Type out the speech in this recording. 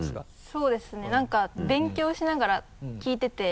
そうですね何か勉強しながら聴いてて。